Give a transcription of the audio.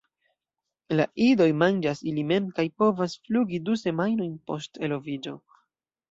La idoj manĝas ili mem kaj povas flugi du semajnojn post eloviĝo.